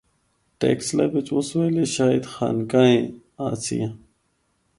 ٹیکسلا بچ اُس ویلے شاید خانقاہیں آسیاں۔